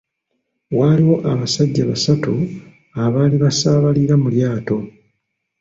Waaliwo abasajja basatu abaali basaabalira mu lyato.